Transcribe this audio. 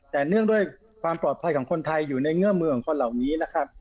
แต่เนื่องด้วยความปลอดภัยของคนไทยอยู่ในเงื่อเมืองคนเหล่านี้นะครับ